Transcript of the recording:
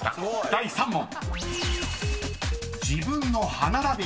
［第３問］